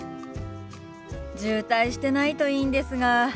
渋滞してないといいんですが。